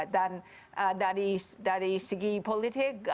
dan dari segi politik